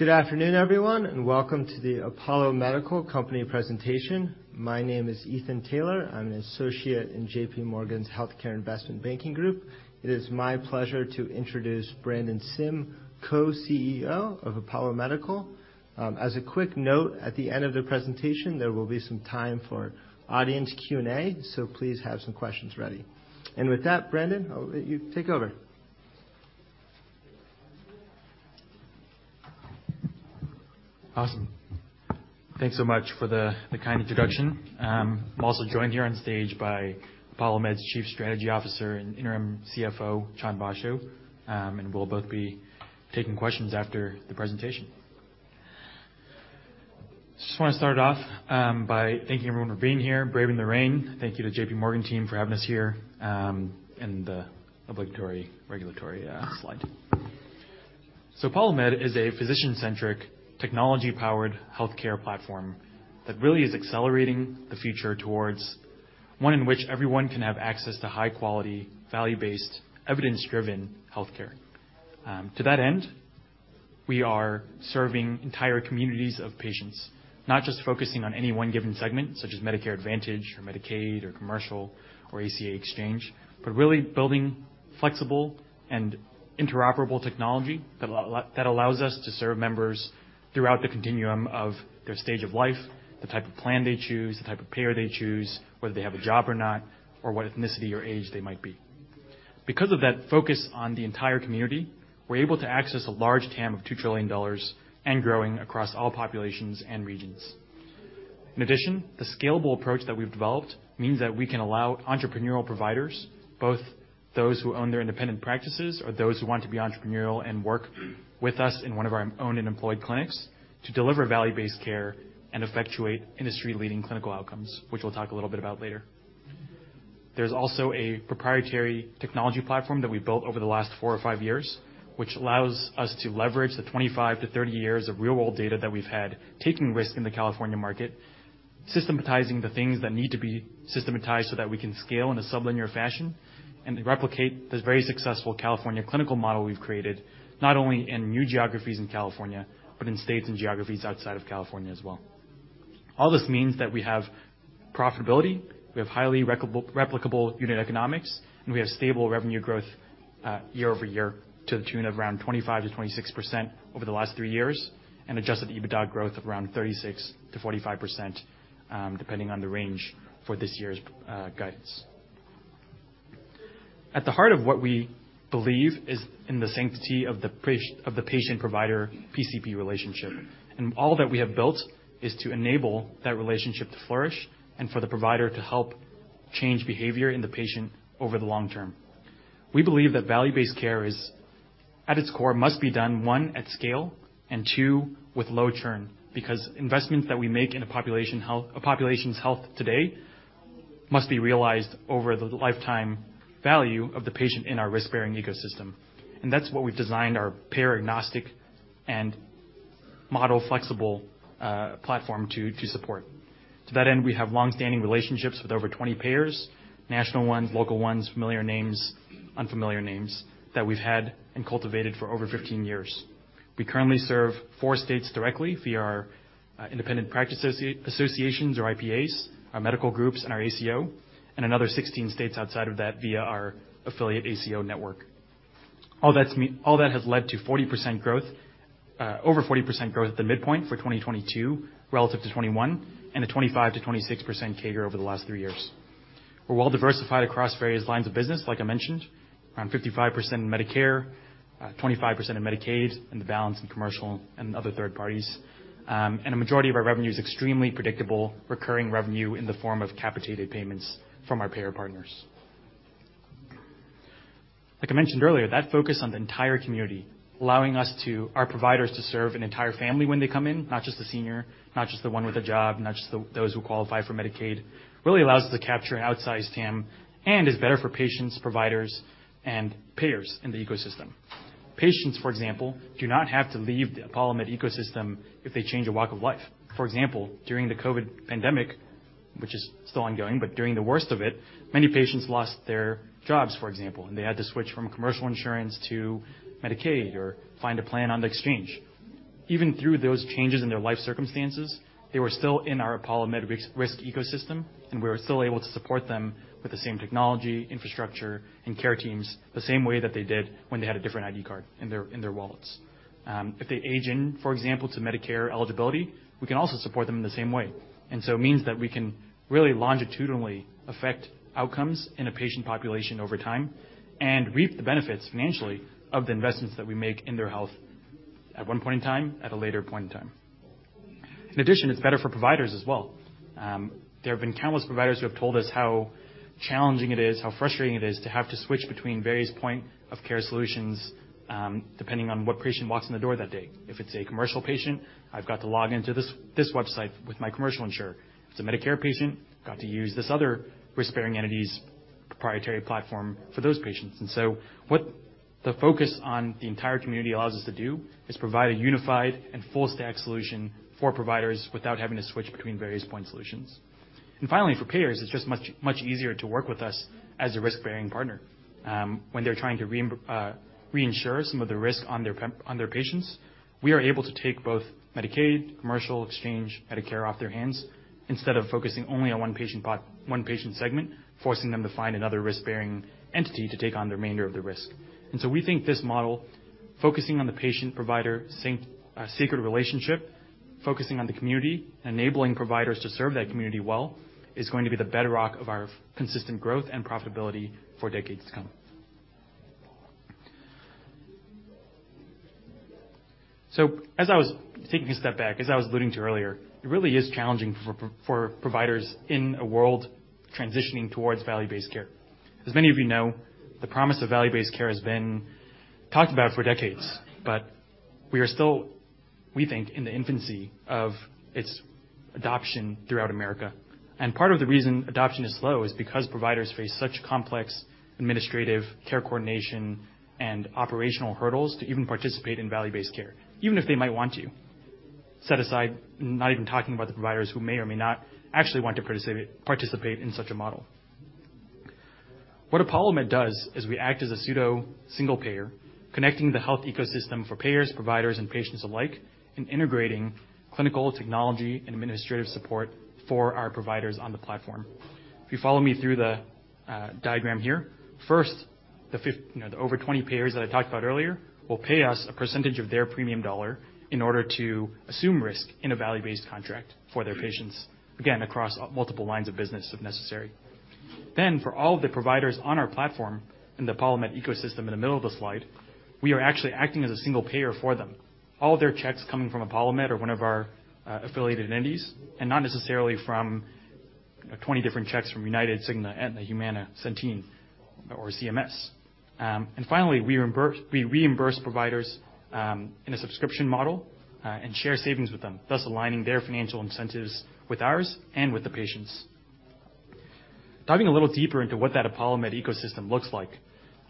Good afternoon, everyone, and welcome to the Apollo Medical Company presentation. My name is Ethan Taylor. I'm an associate in JPMorgan's Healthcare Investment Banking group. It is my pleasure to introduce Brandon Sim, Co-CEO of Apollo Medical. As a quick note, at the end of the presentation, there will be some time for audience Q&A, so please have some questions ready. With that, Brandon, I'll let you take over. Awesome. Thanks so much for the kind introduction. I'm also joined here on stage by ApolloMed's Chief Strategy Officer and Interim CFO, Chan Basho, and we'll both be taking questions after the presentation. Just wanna start off by thanking everyone for being here, braving the rain. Thank you to JPMorgan team for having us here, and the obligatory regulatory slide. ApolloMed is a physician-centric, technology-powered healthcare platform that really is accelerating the future towards one in which everyone can have access to high quality, value-based, evidence-driven healthcare. To that end, we are serving entire communities of patients, not just focusing on any one given segment, such as Medicare Advantage or Medicaid or commercial or ACA Exchange, but really building flexible and interoperable technology that allows us to serve members throughout the continuum of their stage of life, the type of plan they choose, the type of payer they choose, whether they have a job or not, or what ethnicity or age they might be. Because of that focus on the entire community, we're able to access a large TAM of $2 trillion and growing across all populations and regions. In addition, the scalable approach that we've developed means that we can allow entrepreneurial providers, both those who own their independent practices or those who want to be entrepreneurial and work with us in one of our own and employed clinics, to deliver value-based care and effectuate industry-leading clinical outcomes, which we'll talk a little bit about later. There's also a proprietary technology platform that we've built over the last four or five years, which allows us to leverage the 25 years-30 years of real-world data that we've had, taking risk in the California market, systematizing the things that need to be systematized so that we can scale in a sublinear fashion and replicate this very successful California clinical model we've created, not only in new geographies in California, but in states and geographies outside of California as well. All this means that we have profitability, we have highly replicable unit economics, and we have stable revenue growth year-over-year to the tune of around 25%-26% over the last three years, and adjusted EBITDA growth of around 36%-45%, depending on the range for this year's guidance. At the heart of what we believe is in the sanctity of the patient-provider PCP relationship. All that we have built is to enable that relationship to flourish and for the provider to help change behavior in the patient over the long term. We believe that value-based care is at its core, must be done, one, at scale, and two, with low churn, because investments that we make in a population's health today must be realized over the lifetime value of the patient in our risk-bearing ecosystem. That's what we've designed our payer-agnostic and model-flexible platform to support. To that end, we have long-standing relationships with over 20 payers, national ones, local ones, familiar names, unfamiliar names, that we've had and cultivated for over 15 years. We currently serve four states directly via our independent practice associations or IPAs, our medical groups and our ACO, and another 16 states outside of that via our affiliate ACO network. All that has led to 40% growth, over 40% growth at the midpoint for 2022 relative to 2021, and a 25%-26% CAGR over the last three years. We're well diversified across various lines of business, like I mentioned, around 55% Medicare, 25% in Medicaid, and the balance in commercial and other third parties. A majority of our revenue is extremely predictable, recurring revenue in the form of capitated payments from our payer partners. Like I mentioned earlier, that focus on the entire community, allowing our providers to serve an entire family when they come in, not just the senior, not just the one with a job, not just those who qualify for Medicaid, really allows us to capture an outsized TAM and is better for patients, providers, and payers in the ecosystem. Patients, for example, do not have to leave the ApolloMed ecosystem if they change a walk of life. For example, during the COVID pandemic, which is still ongoing, but during the worst of it, many patients lost their jobs, for example, and they had to switch from commercial insurance to Medicaid or find a plan on the exchange. Even through those changes in their life circumstances, they were still in our ApolloMed risk ecosystem, and we were still able to support them with the same technology, infrastructure, and care teams the same way that they did when they had a different ID card in their wallets. If they age in, for example, to Medicare eligibility, we can also support them in the same way. It means that we can really longitudinally affect outcomes in a patient population over time and reap the benefits financially of the investments that we make in their health at one point in time, at a later point in time. It's better for providers as well. There have been countless providers who have told us how challenging it is, how frustrating it is to have to switch between various point-of-care solutions, depending on what patient walks in the door that day. If it's a commercial patient, I've got to log into this website with my commercial insurer. If it's a Medicare patient, got to use this other risk-bearing entity's proprietary platform for those patients. What the focus on the entire community allows us to do is provide a unified and full-stack solution for providers without having to switch between various point solutions. Finally, for payers, it's just much, much easier to work with us as a risk-bearing partner. When they're trying to reinsure some of the risk on their patients, we are able to take both Medicaid, commercial exchange, Medicare off their hands instead of focusing only on one patient segment, forcing them to find another risk-bearing entity to take on the remainder of the risk. We think this model, focusing on the patient provider sacred relationship, focusing on the community, enabling providers to serve that community well, is going to be the bedrock of our consistent growth and profitability for decades to come. As I was taking a step back, as I was alluding to earlier, it really is challenging for providers in a world transitioning towards value-based care. As many of you know, the promise of value-based care has been talked about for decades, but we are still, we think, in the infancy of its adoption throughout America. Part of the reason adoption is slow is because providers face such complex administrative care coordination and operational hurdles to even participate in value-based care, even if they might want to, set aside not even talking about the providers who may or may not actually want to participate in such a model. What ApolloMed does is we act as a pseudo single payer, connecting the health ecosystem for payers, providers, and patients alike, and integrating clinical technology and administrative support for our providers on the platform. If you follow me through the diagram here, first, you know, the over 20 payers that I talked about earlier will pay us a percentage of their premium dollar in order to assume risk in a value-based contract for their patients, again, across multiple lines of business, if necessary. For all of the providers on our platform in the ApolloMed ecosystem in the middle of the slide, we are actually acting as a single payer for them. All of their checks coming from ApolloMed or one of our affiliated entities, and not necessarily from 20 different checks from United, Cigna, Aetna, Humana, Centene, or CMS. Finally, we reimburse providers in a subscription model and share savings with them, thus aligning their financial incentives with ours and with the patients. Diving a little deeper into what that ApolloMed ecosystem looks like,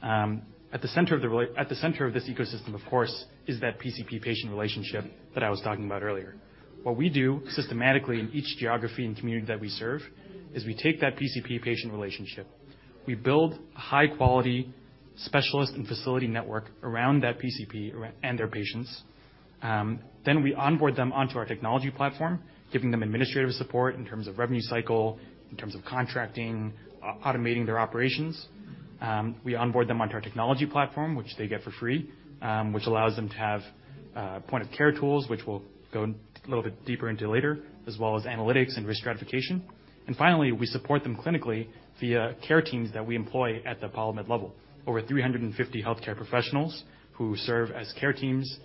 at the center of this ecosystem, of course, is that PCP-patient relationship that I was talking about earlier. What we do systematically in each geography and community that we serve is we take that PCP-patient relationship. We build high-quality specialist and facility network around that PCP and their patients. We onboard them onto our technology platform, giving them administrative support in terms of revenue cycle, in terms of contracting, automating their operations. We onboard them onto our technology platform, which they get for free, which allows them to have point-of-care tools, which we'll go a little bit deeper into later, as well as analytics and risk stratification. Finally, we support them clinically via care teams that we employ at the ApolloMed level. Over 350 healthcare professionals who serve as care teams,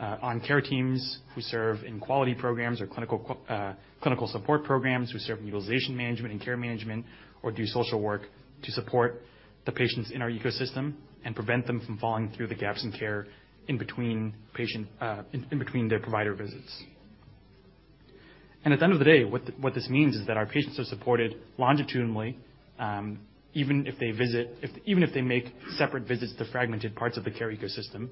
on care teams, who serve in quality programs or clinical support programs, who serve in utilization management and care management, or do social work to support the patients in our ecosystem and prevent them from falling through the gaps in care in between their provider visits. At the end of the day, what this means is that our patients are supported longitudinally, even if they make separate visits to fragmented parts of the care ecosystem.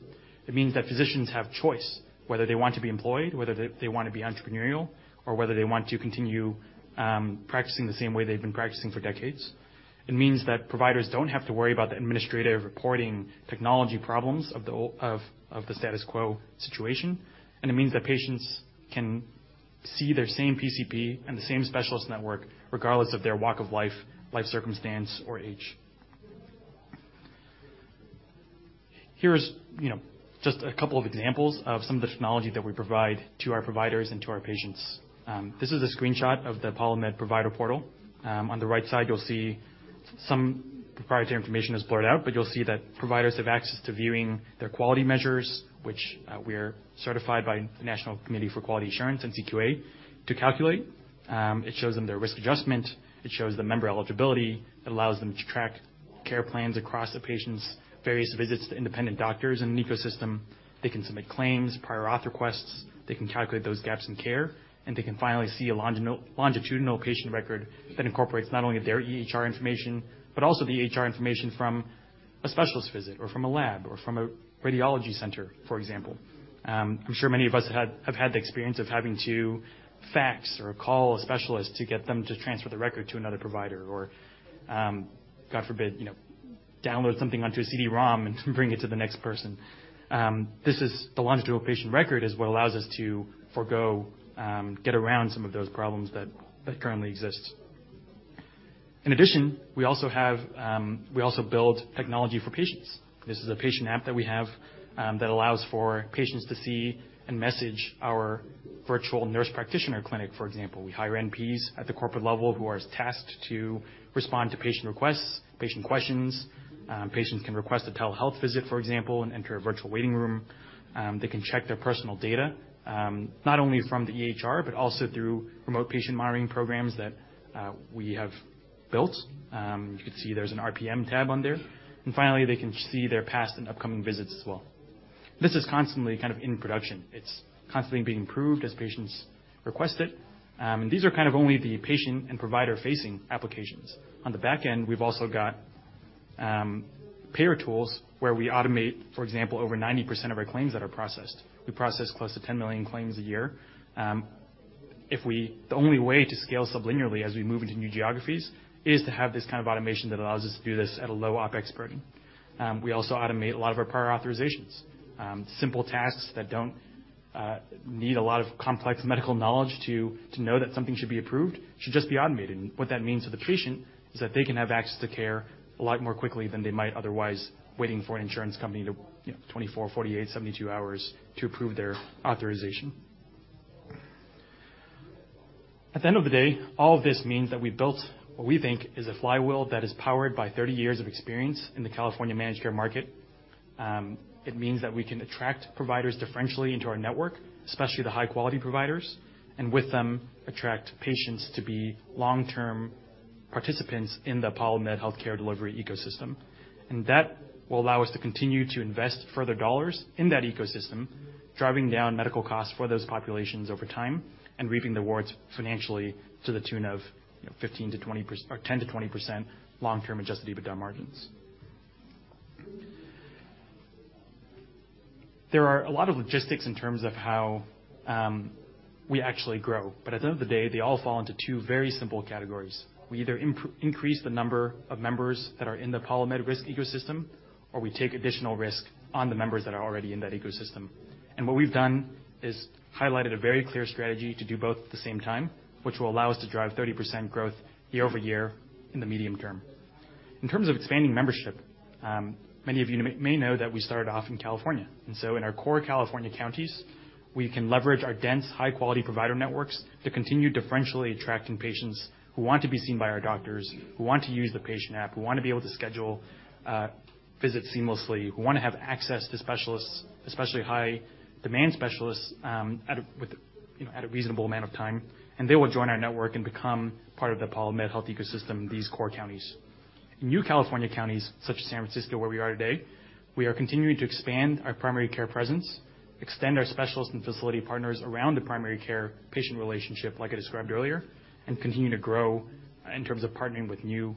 It means that physicians have choice whether they want to be employed, whether they wanna be entrepreneurial, or whether they want to continue practicing the same way they've been practicing for decades. It means that providers don't have to worry about the administrative reporting technology problems of the status quo situation. It means that patients can see their same PCP and the same specialist network regardless of their walk of life circumstance, or age. Here's, you know, just a couple of examples of some of the technology that we provide to our providers and to our patients. This is a screenshot of the ApolloMed Provider Portal. On the right side, you'll see some proprietary information is blurred out, but you'll see that providers have access to viewing their quality measures, which, we're certified by the National Committee for Quality Assurance, NCQA, to calculate. It shows them their risk adjustment. It shows the member eligibility. It allows them to track care plans across a patient's various visits to independent doctors in an ecosystem. They can submit claims, prior auth requests. They can calculate those gaps in care, and they can finally see a longitudinal patient record that incorporates not only their EHR information, but also the EHR information from a specialist visit or from a lab or from a radiology center, for example. I'm sure many of us have had the experience of having to fax or call a specialist to get them to transfer the record to another provider or, God forbid, you know, download something onto a CD-ROM and bring it to the next person. The longitudinal patient record is what allows us to forgo, get around some of those problems that currently exist. In addition, we also have, we also build technology for patients. This is a patient app that we have, that allows for patients to see and message our virtual nurse practitioner clinic, for example. We hire NPs at the corporate level who are tasked to respond to patient requests, patient questions. Patients can request a telehealth visit, for example, and enter a virtual waiting room. They can check their personal data, not only from the EHR, but also through remote patient monitoring programs that we have built. You can see there's an RPM tab on there. Finally, they can see their past and upcoming visits as well. This is constantly kind of in production. It's constantly being improved as patients request it. These are kind of only the patient and provider-facing applications. On the back end, we've also got payer tools where we automate, for example, over 90% of our claims that are processed. We process close to 10 million claims a year. The only way to scale sublinearly as we move into new geographies is to have this kind of automation that allows us to do this at a low OpEx burden. We also automate a lot of our prior authorizations. Simple tasks that don't need a lot of complex medical knowledge to know that something should be approved, should just be automated. What that means to the patient is that they can have access to care a lot more quickly than they might otherwise waiting for an insurance company to, you know, 24, 48, 72 hours to approve their authorization. At the end of the day, all of this means that we've built what we think is a flywheel that is powered by 30 years of experience in the California managed care market. It means that we can attract providers differentially into our network, especially the high-quality providers, and with them, attract patients to be long-term participants in the ApolloMed healthcare delivery ecosystem. That will allow us to continue to invest further dollars in that ecosystem, driving down medical costs for those populations over time and reaping the rewards financially to the tune of, you know, 15%-20%... 10%-20% long-term adjusted EBITDA margins. There are a lot of logistics in terms of how we actually grow. At the end of the day, they all fall into two very simple categories. We either increase the number of members that are in the ApolloMed risk ecosystem, or we take additional risk on the members that are already in that ecosystem. What we've done is highlighted a very clear strategy to do both at the same time, which will allow us to drive 30% growth year-over-year in the medium term. In terms of expanding membership, many of you may know that we started off in California. In our core California counties, we can leverage our dense, high-quality provider networks to continue differentially attracting patients who want to be seen by our doctors, who want to use the patient app, who wanna be able to schedule visits seamlessly, who wanna have access to specialists, especially high-demand specialists, you know, at a reasonable amount of time. They will join our network and become part of the ApolloMed health ecosystem in these core counties. In new California counties, such as San Francisco, where we are today, we are continuing to expand our primary care presence, extend our specialist and facility partners around the primary care patient relationship, like I described earlier, and continue to grow in terms of partnering with new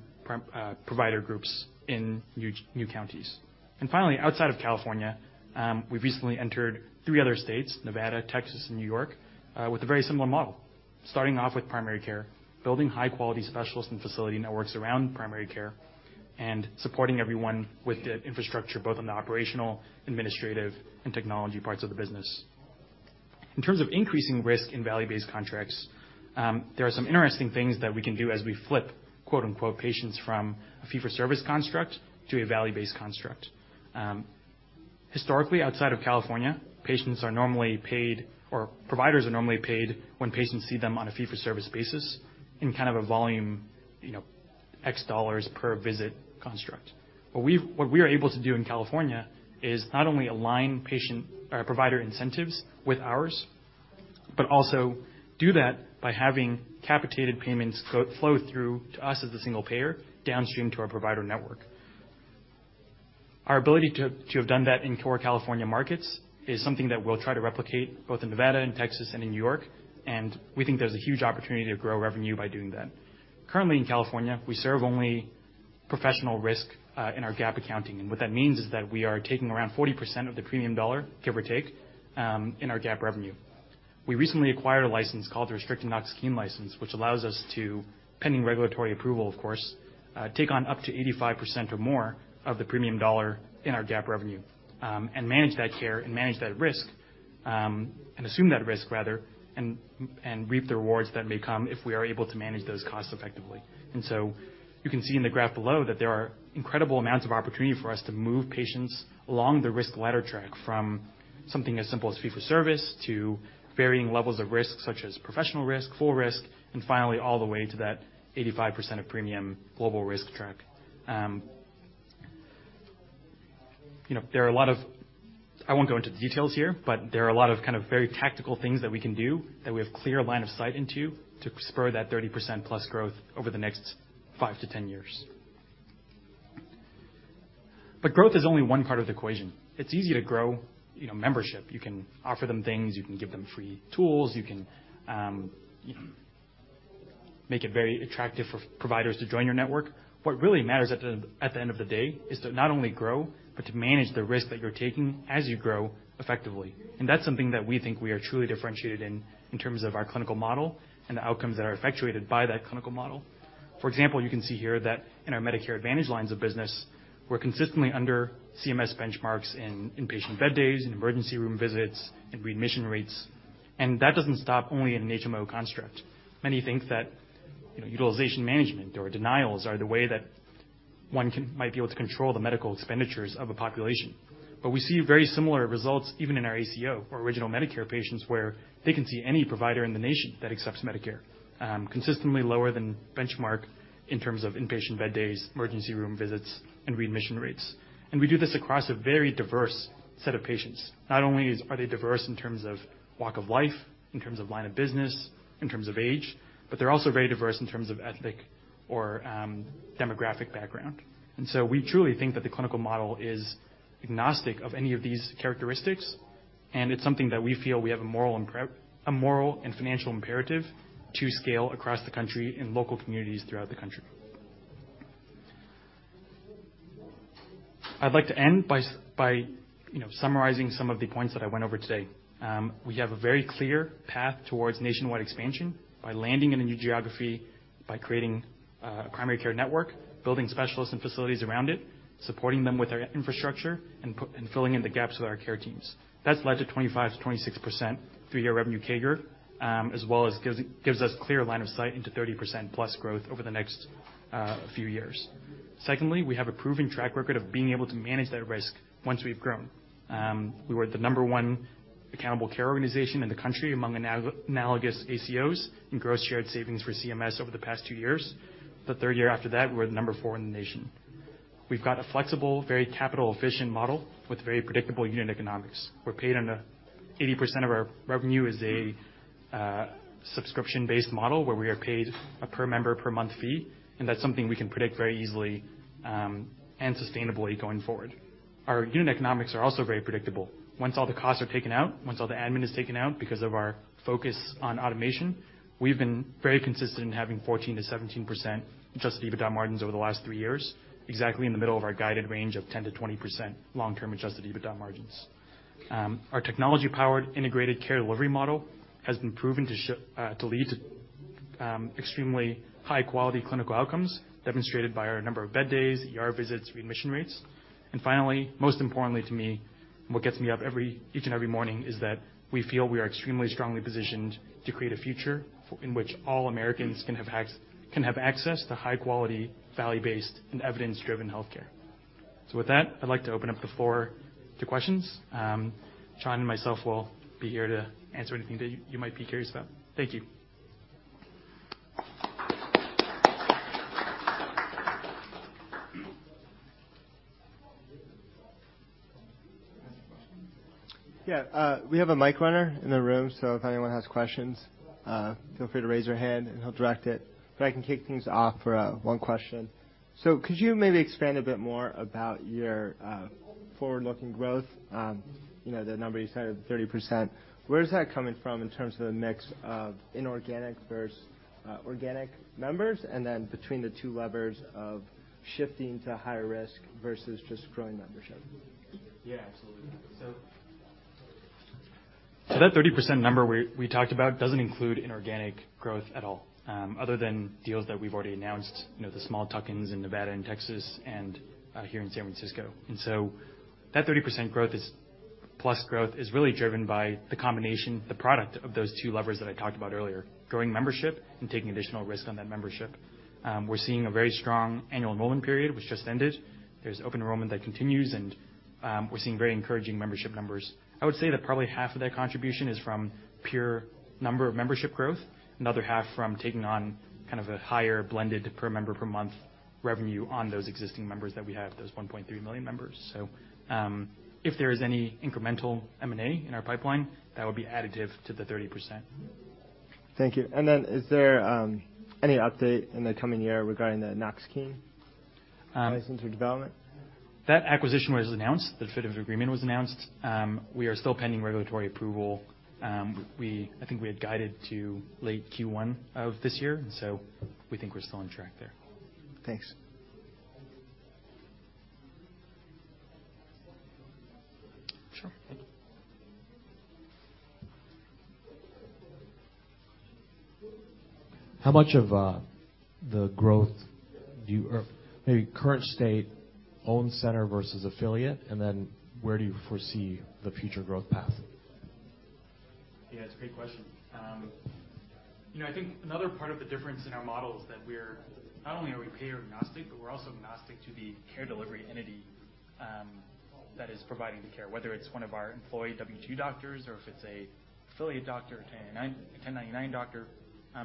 provider groups in new counties. Finally, outside of California, we've recently entered three other states, Nevada, Texas, and New York, with a very similar model. Starting off with primary care, building high-quality specialists and facility networks around primary care, and supporting everyone with the infrastructure, both on the operational, administrative, and technology parts of the business. In terms of increasing risk in value-based contracts, there are some interesting things that we can do as we flip quote-unquote, "patients" from a fee-for-service construct to a value-based construct. Historically, outside of California, patients are normally paid or providers are normally paid when patients see them on a fee-for-service basis in kind of a volume, you know, X dollars per visit construct. What we are able to do in California is not only align patient or provider incentives with ours, but also do that by having capitated payments flow through to us as the single payer downstream to our provider network. Our ability to have done that in core California markets is something that we'll try to replicate both in Nevada, and Texas, and in New York, and we think there's a huge opportunity to grow revenue by doing that. Currently in California, we serve only professional risk in our GAAP accounting. What that means is that we are taking around 40% of the premium dollar, give or take, in our GAAP revenue. We recently acquired a license called the Restricted Knox-Keene license, which allows us to, pending regulatory approval, of course, take on up to 85% or more of the premium dollar in our GAAP revenue, and manage that care and manage that risk, and assume that risk rather, reap the rewards that may come if we are able to manage those costs effectively. You can see in the graph below that there are incredible amounts of opportunity for us to move patients along the risk ladder track from something as simple as fee-for-service to varying levels of risk, such as professional risk, full risk, and finally, all the way to that 85% of premium global risk track. You know, I won't go into the details here, but there are a lot of kind of very tactical things that we can do that we have clear line of sight into to spur that 30%+ growth over the next 5 years-10 years. Growth is only one part of the equation. It's easy to grow, you know, membership. You can offer them things, you can give them free tools, you can make it very attractive for providers to join your network. What really matters at the end of the day is to not only grow, but to manage the risk that you're taking as you grow effectively. That's something that we think we are truly differentiated in terms of our clinical model and the outcomes that are effectuated by that clinical model. For example, you can see here that in our Medicare Advantage lines of business, we're consistently under CMS benchmarks in inpatient bed days and emergency room visits and readmission rates. That doesn't stop only in an HMO construct. Many think that, you know, utilization management or denials are the way that one might be able to control the medical expenditures of a population. We see very similar results even in our ACO or original Medicare patients, where they can see any provider in the nation that accepts Medicare, consistently lower than benchmark in terms of inpatient bed days, emergency room visits, and readmission rates. We do this across a very diverse set of patients. Not only are they diverse in terms of walk of life, in terms of line of business, in terms of age, but they're also very diverse in terms of ethnic or demographic background. We truly think that the clinical model is agnostic of any of these characteristics, and it's something that we feel we have a moral and financial imperative to scale across the country in local communities throughout the country. I'd like to end by, you know, summarizing some of the points that I went over today. We have a very clear path towards nationwide expansion by landing in a new geography, by creating a primary care network, building specialists and facilities around it, supporting them with our infrastructure, and filling in the gaps with our care teams. That's led to 25%-26% three-year revenue CAGR, as well as gives us clear line of sight into 30%+ growth over the next few years. We have a proven track record of being able to manage that risk once we've grown. We were the number one accountable care organization in the country among analogous ACOs in gross shared savings for CMS over the past two years. The third year after that, we're the number four in the nation. We've got a flexible, very capital efficient model with very predictable unit economics. We're paid on a. 80% of our revenue is a subscription-based model where we are paid a per member per month fee. That's something we can predict very easily and sustainably going forward. Our unit economics are also very predictable. Once all the costs are taken out, once all the admin is taken out because of our focus on automation, we've been very consistent in having 14%-17% adjusted EBITDA margins over the last three years, exactly in the middle of our guided range of 10%-20% long-term adjusted EBITDA margins. Our technology-powered integrated care delivery model has been proven to lead to extremely high-quality clinical outcomes, demonstrated by our number of bed days, ER visits, readmission rates. Finally, most importantly to me, what gets me up each and every morning, is that we feel we are extremely strongly positioned to create a future in which all Americans can have access to high quality, value-based, and evidence-driven healthcare. With that, I'd like to open up the floor to questions. Chan and myself will be here to answer anything that you might be curious about. Thank you. Yeah. We have a mic runner in the room, so if anyone has questions, feel free to raise your hand, and he'll direct it. I can kick things off for one question. Could you maybe expand a bit more about your forward-looking growth? You know, the number you said, 30%, where is that coming from in terms of the mix of inorganic versus organic members, and then between the two levers of shifting to higher risk versus just growing membership? Yeah, absolutely. That 30% number we talked about doesn't include inorganic growth at all, other than deals that we've already announced, you know, the small tuck-ins in Nevada and Texas and here in San Francisco. That 30% growth is, plus growth, is really driven by the combination, the product of those two levers that I talked about earlier, growing membership and taking additional risk on that membership. We're seeing a very strong annual enrollment period, which just ended. There's open enrollment that continues, and we're seeing very encouraging membership numbers. I would say that probably half of that contribution is from pure number of membership growth, another half from taking on kind of a higher blended per member per month revenue on those existing members that we have, those 1.3 million members. If there is any incremental M&A in our pipeline, that would be additive to the 30%. Thank you. Is there any update in the coming year regarding the Knox-Keene Act license or development? That acquisition was announced. The fit of agreement was announced. We are still pending regulatory approval. I think we had guided to late Q1 of this year. We think we're still on track there. Thanks. Sure. How much of the growth or maybe current state owned center versus affiliate, and then where do you foresee the future growth path? Yeah, it's a great question. you know, I think another part of the difference in our model is that we're, not only are we payer-agnostic, but we're also agnostic to the care delivery entity, that is providing the care, whether it's one of our employee W-2 doctors or if it's a affiliate doctor, a 1099 doctor.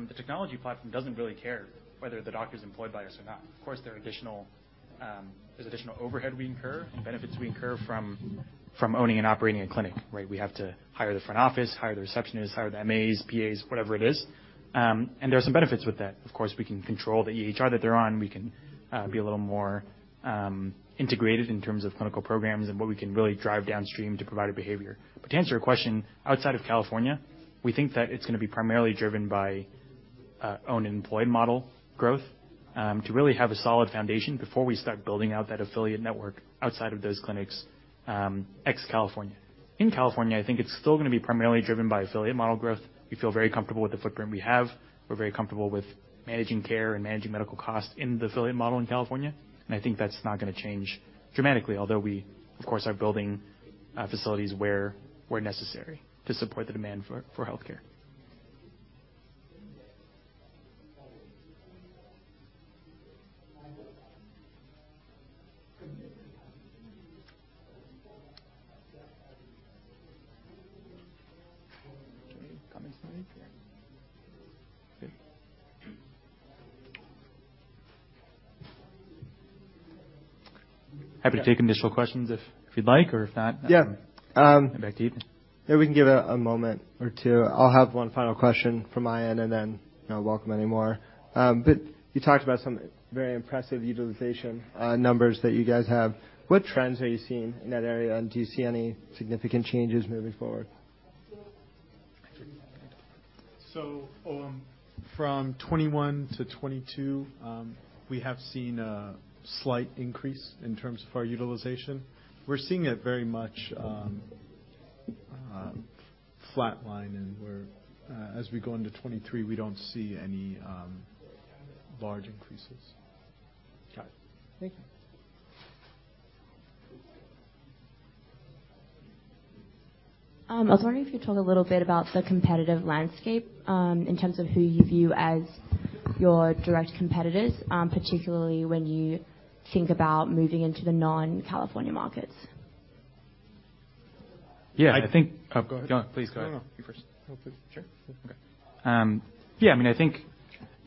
The technology platform doesn't really care whether the doctor's employed by us or not. Of course, there are additional, there's additional overhead we incur and benefits we incur from owning and operating a clinic, right? We have to hire the front office, hire the receptionists, hire the MAs, PAs, whatever it is. There are some benefits with that. Of course, we can control the EHR that they're on. We can be a little more integrated in terms of clinical programs and what we can really drive downstream to provider behavior. To answer your question, outside of California, we think that it's gonna be primarily driven by owned and employed model growth to really have a solid foundation before we start building out that affiliate network outside of those clinics ex-California. In California, I think it's still gonna be primarily driven by affiliate model growth. We feel very comfortable with the footprint we have. We're very comfortable with managing care and managing medical costs in the affiliate model in California, I think that's not gonna change dramatically, although we, of course, are building facilities where necessary to support the demand for healthcare. Any comments from you? Okay. Happy to take initial questions if you'd like. Yeah. Back to you. Maybe we can give it a moment or two. I'll have one final question from my end and then I'll welcome any more. You talked about some very impressive utilization numbers that you guys have. What trends are you seeing in that area, and do you see any significant changes moving forward? From 2021-2022, we have seen a slight increase in terms of our utilization. We're seeing it very much flatline and we're as we go into 2023, we don't see any large increases. Got it. Thank you. I was wondering if you could talk a little bit about the competitive landscape, in terms of who you view as your direct competitors, particularly when you think about moving into the non-California markets. Yeah. Go ahead. Please go ahead. No, no. You first. No, please. Sure. Okay. Yeah, I mean, I think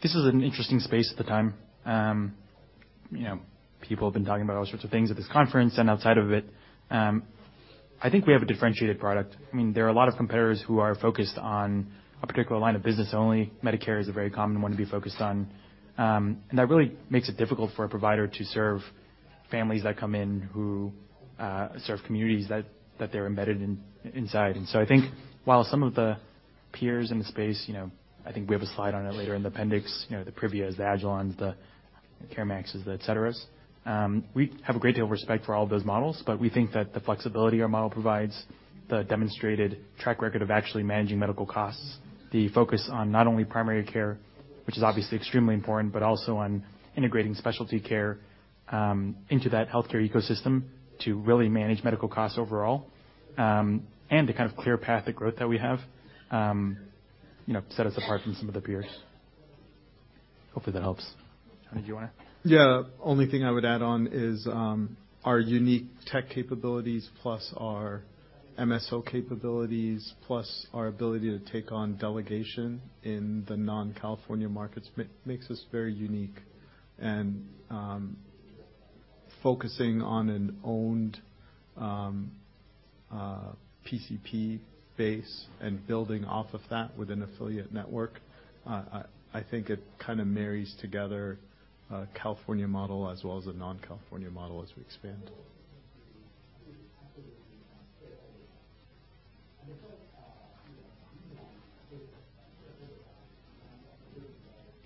this is an interesting space at the time. You know, people have been talking about all sorts of things at this conference and outside of it. I think we have a differentiated product. I mean, there are a lot of competitors who are focused on a particular line of business only. Medicare is a very common one to be focused on. That really makes it difficult for a provider to serve families that come in who serve communities that they're embedded in, inside. I think while some of the peers in the space, you know, I think we have a slide on it later in the appendix, you know, the Privias, the agilons, the CareMaxes, the et ceteras, we have a great deal of respect for all of those models, but we think that the flexibility our model provides, the demonstrated track record of actually managing medical costs, the focus on not only primary care, which is obviously extremely important, but also on integrating specialty care into that healthcare ecosystem to really manage medical costs overall, and the kind of clear path of growth that we have, you know, set us apart from some of the peers. Hopefully, that helps. Chan, do you wanna add? Yeah. Only thing I would add on is, our unique tech capabilities plus our MSO capabilities, plus our ability to take on delegation in the non-California markets makes us very unique. focusing on an owned, PCP base and building off of that with an affiliate network, I think it kinda marries together a California model as well as a non-California model as we expand.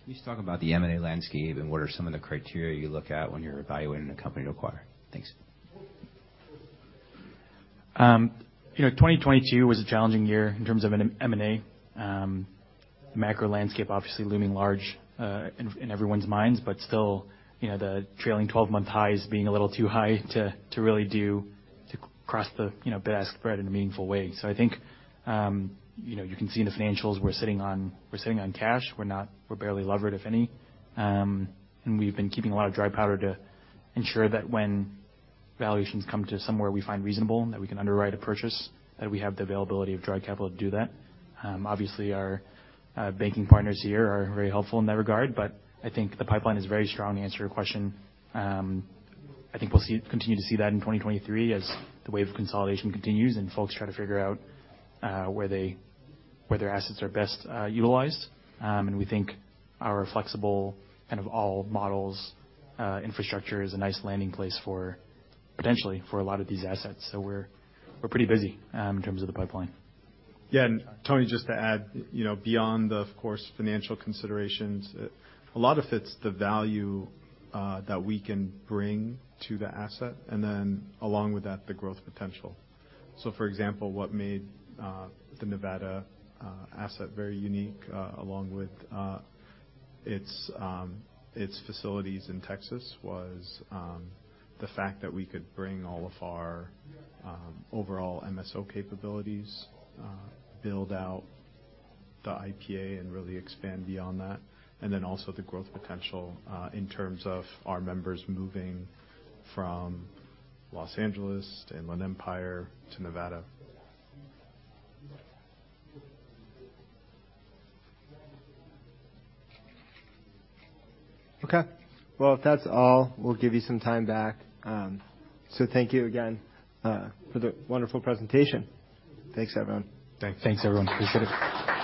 Can you just talk about the M&A landscape and what are some of the criteria you look at when you're evaluating a company to acquire? Thanks. You know, 2022 was a challenging year in terms of M&A. The macro landscape obviously looming large in everyone's minds, but still, you know, the trailing 12-month highs being a little too high to really do, to cross the, you know, bid-ask spread in a meaningful way. I think, you know, you can see in the financials we're sitting on, we're sitting on cash. We're barely levered, if any. We've been keeping a lot of dry powder to ensure that when valuations come to somewhere we find reasonable and that we can underwrite a purchase, that we have the availability of dry capital to do that. Our banking partners here are very helpful in that regard, but I think the pipeline is very strong to answer your question. I think well continue to see that in 2023 as the wave of consolidation continues and folks try to figure out where their assets are best utilized. We think our flexible kind of all models infrastructure is a nice landing place for potentially for a lot of these assets. We're pretty busy in terms of the pipeline. Yeah. Tony, just to add, you know, beyond the, of course, financial considerations, a lot of it's the value that we can bring to the asset, and then along with that, the growth potential. For example, what made the Nevada asset very unique, along with its facilities in Texas was the fact that we could bring all of our overall MSO capabilities, build out the IPA and really expand beyond that, and then also the growth potential in terms of our members moving from Los Angeles, Inland Empire to Nevada. Okay. Well, if that's all, we'll give you some time back. Thank you again, for the wonderful presentation. Thanks, everyone. Thanks, everyone. Appreciate it.